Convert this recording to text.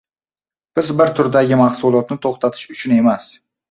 Biz bir turdagi mahsulotni toʻxtatish uchun emas